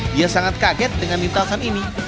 dia sangat kaget dengan lintasan ini